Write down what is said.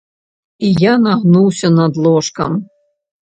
І я нагнуўся над ложкам.